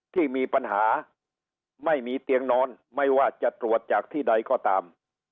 ที่มีปัญหาไม่มีเตียงนอนไม่ว่าจะตรวจจากที่ใดก็ตาม